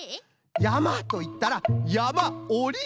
「やま」といったら「やまおり」。